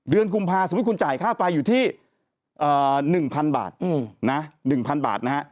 เดือนกุมภาสมมติคุณจ่ายค่าไปอยู่ที่๑๐๐๐บาทนะฮะ